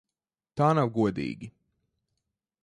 Tā nav godīgi!